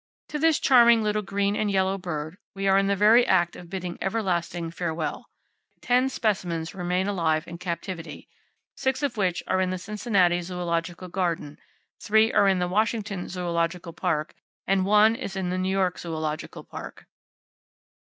To this charming little green and yellow bird, we are in the very act of bidding everlasting farewell. Ten specimens remain alive in captivity, six of which are in the Cincinnati Zoological Garden, three are in the Washington Zoological Park and one is in the New York Zoological Park.